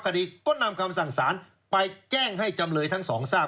คดีก็นำคำสั่งสารไปแจ้งให้จำเลยทั้งสองทราบ